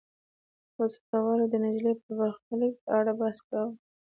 وسله والو د نجلۍ برخلیک په اړه بحث کاوه.